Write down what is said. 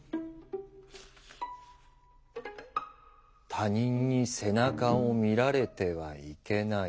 「他人に背中を見られてはいけない。